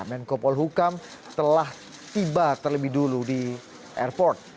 menko polhukam telah tiba terlebih dulu di airport